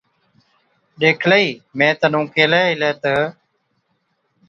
ڏيکلئِي مين تنُون ڪيهلَي هِلَي تہ،